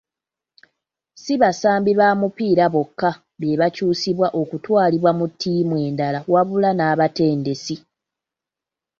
Si basambi ba mupiira bokka be bakyusibwa okutwalibwa mu ttiimu endala wabula n'abatendesi.